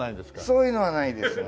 そういうのはないですね。